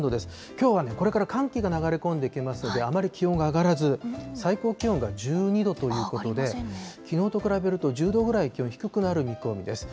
きょうはこれから寒気が流れ込んできますので、あまり気温が上がらず、最高気温が１２度ということで、きのうと比べると１０度ぐらい気温低くなる見込みです。